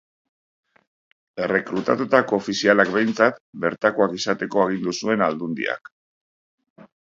Errekrutatutako ofizialak behintzat bertakoak izateko agindu zuen Aldundiak.